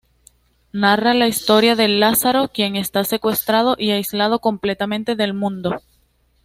Narra la historia de Lázaro, quien está secuestrado y aislado completamente del mundo.